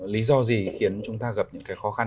lý do gì khiến chúng ta gặp những cái khó khăn